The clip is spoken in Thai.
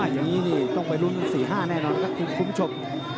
อย่างนี้นี่ต้องไปลุ้น๔๕แน่นอนครับคุณผู้ชม